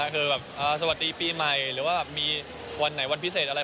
คือแบบสวัสดีปีใหม่หรือว่ามีวันไหนวันพิเศษอะไร